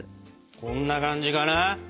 こんな感じかな？